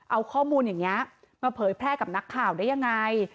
เอาข้อมูลอย่างนี้มาเผยแพร่กับนักข่าวได้ยังไง